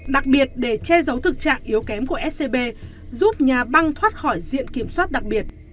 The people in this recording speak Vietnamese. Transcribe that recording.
đặc biệt để che giấu thực trạng yếu kém của scb giúp nhà băng thoát khỏi diện kiểm soát đặc biệt